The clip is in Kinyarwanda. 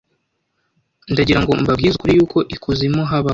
ndagirango mbabwize ukuri yuko I kuzimu habaho